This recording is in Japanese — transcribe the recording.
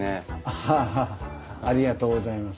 はあありがとうございます。